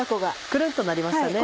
くるんとなりましたね。